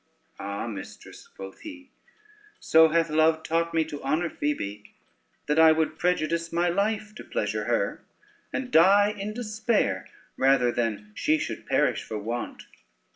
"Ah, mistress," quoth he, "so hath love taught me to honor Phoebe, that I would prejudice my life to pleasure her, and die in despair rather than she should perish for want.